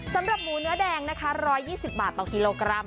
สำหรับหมูเนื้อแดงนะคะ๑๒๐บาทต่อกิโลกรัม